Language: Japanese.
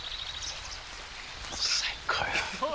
最高よ。